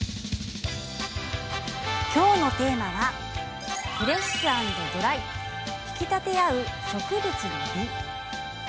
今日のテーマはフレッシュ＆ドライ引き立て合う植物の美。